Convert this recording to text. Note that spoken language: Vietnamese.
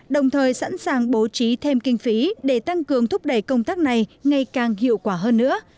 đồng thời sẵn sàng bố trí thêm kinh phí để tăng cường thúc đẩy công tác này ngày càng hiệu quả hơn nữa